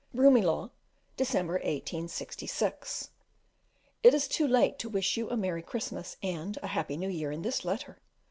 Broomielaw, December 1866. It is too late to wish you a merry Christmas and a happy New Year in this letter.